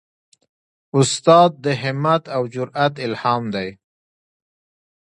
استاد د همت او جرئت الهام دی.